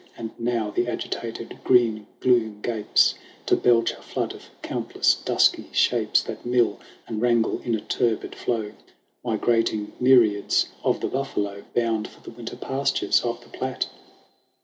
And now the agitated green gloom gapes To belch a flood of countless dusky shapes That mill and wrangle in a turbid flow Migrating myriads of the buffalo Bound for the winter pastures of the Platte